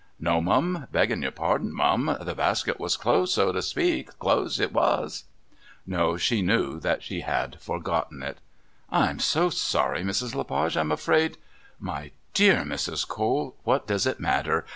"No, mum. Beggin' your pardon, mum, the basket was closed, so to speak closed it was." No, she knew that she had forgotten it. "I'm so sorry, Mrs. Le Page, I'm afraid " "My dear Mrs. Cole! What does it matter?